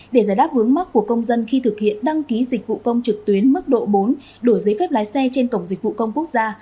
để giải đáp vướng mắt của công dân khi thực hiện đăng ký dịch vụ công trực tuyến mức độ bốn đổi giấy phép lái xe trên cổng dịch vụ công quốc gia